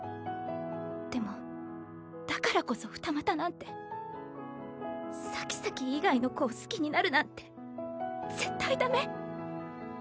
でもだからこそ二股なんてサキサキ以外の子を好きになるなんて絶対ダメ。